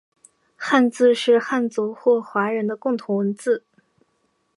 汉字是汉族或华人的共同文字